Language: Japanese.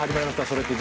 「それって！？